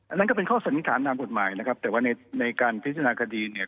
อันนั้นก็เป็นข้อสันนิษฐานตามกฎหมายนะครับแต่ว่าในในการพิจารณาคดีเนี่ย